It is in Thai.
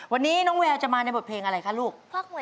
วันนี้น้องแววจะมาในบทเพลงอะไรคะลูก